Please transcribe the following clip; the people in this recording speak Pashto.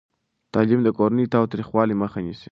تعلیم د کورني تاوتریخوالي مخه نیسي.